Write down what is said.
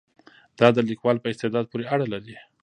دا د لیکوال په استعداد پورې اړه لري.